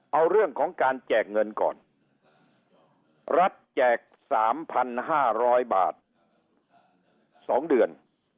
เอาเรื่องของการแจกเงินก่อนรัฐแจก๓๕๐๐บาท๒เดือน